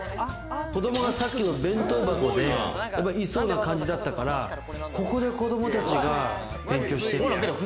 子供がさっきの弁当箱でいそうな感じだったから、ここで子供たちが勉強しているのかも。